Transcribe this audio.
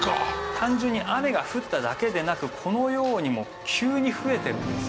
単純に雨が降っただけでなくこのようにも急に増えてるんですよね。